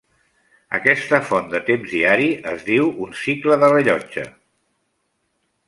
Aquesta font de temps diari es diu un cicle de rellotge.